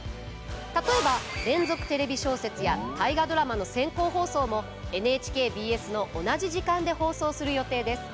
例えば「連続テレビ小説」や「大河ドラマ」の先行放送もＮＨＫＢＳの同じ時間で放送する予定です。